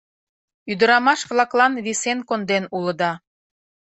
Ӱдырамаш-влаклан висен конден улыда.